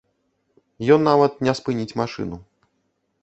Ён нават не спыніць машыну.